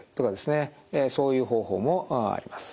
そういう方法もあります。